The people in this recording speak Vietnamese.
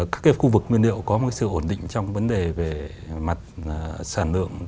các cái khu vực nguyên liệu có một sự ổn định trong cái vấn đề về mặt sản lượng